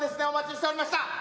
お待ちしておりました。